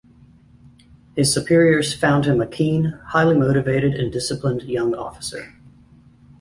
His superiors found him a keen, highly motivated and disciplined young officer.